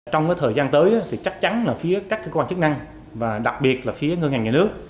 trong thời gian tới thì chắc chắn là phía các cơ quan chức năng và đặc biệt là phía ngân hàng nhà nước